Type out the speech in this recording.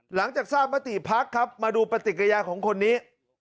หลังจากทราบมฤติพร์ภักดิ์ครับมาดูปฏิกัยของคนนี้